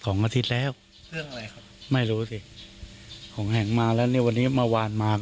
ห่องเราแห่งกันมาตั้งสองอาทิตย์แล้ว